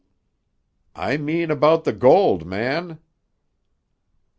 "I mean about the gold, man?"